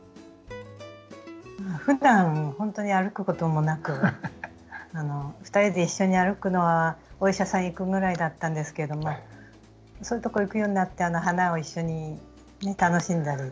ふだん本当に歩くこともなく２人で一緒に歩くのはお医者さん行くぐらいだったんですけどもそういうところ行くようになって花を一緒に楽しんだり。